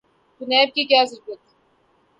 تو نیب کی کیا ضرورت تھی؟